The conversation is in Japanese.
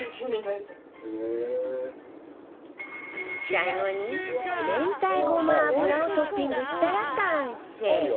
最後に明太ごま油をトッピングしたら完成